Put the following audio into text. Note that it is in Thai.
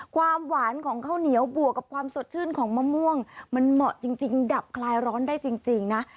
ความหวานของข้าวเหนียวบวกกับความสดชื่นของมะม่วงมันเหมาะจริงดับคลายร้อนได้จริงนะ